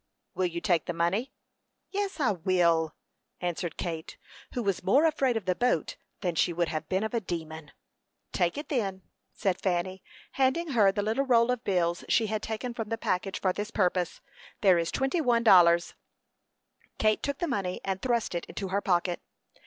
"Will you take the money?" "Yes, I will," answered Kate, who was more afraid of the boat than she would have been of a demon. "Take it, then," said Fanny, handing her the little roll of bills she had taken from the package for this purpose. "There is twenty one dollars." Kate took the money, and thrust it into her pocket.